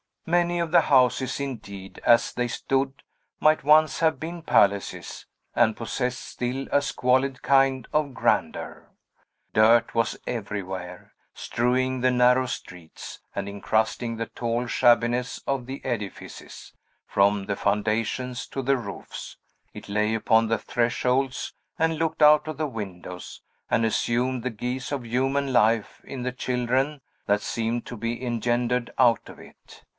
Many of the houses, indeed, as they stood, might once have been palaces, and possessed still a squalid kind of grandeur. Dirt was everywhere, strewing the narrow streets, and incrusting the tall shabbiness of the edifices, from the foundations to the roofs; it lay upon the thresholds, and looked out of the windows, and assumed the guise of human life in the children that Seemed to be engendered out of it.